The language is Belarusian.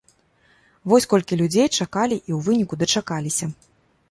Вось колькі людзі чакалі і ў выніку дачакаліся!